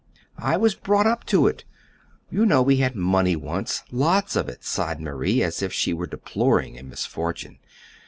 "I was brought up to it. You know we had money once, lots of it," sighed Marie, as if she were deploring a misfortune.